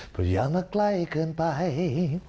พออยากมาใกล้เกินไป